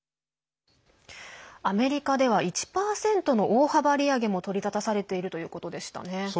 アメリカでは１％の大幅利上げも取り沙汰されているということでしたね。